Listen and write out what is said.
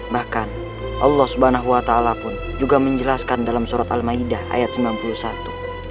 bahkan allah subhanahu wa ta'ala pun juga menjelaskan dalam surat al ma'idah ayat sembilan puluh satu